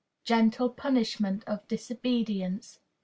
GENTLE PUNISHMENT OF DISOBEDIENCE.